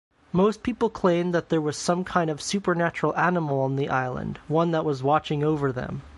Most people claimed that there was some kind of supernatural animal on the island, one that was watching over them.